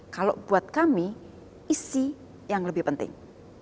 kalau buat kami isi yang lebih penting